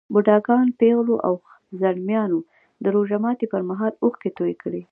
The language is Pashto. بوډاګانو، پېغلو او ځلمیانو د روژه ماتي پر مهال اوښکې توی کړې.